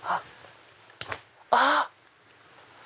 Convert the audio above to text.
あっ！